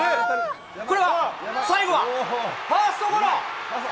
これは、最後は、ファーストゴロ。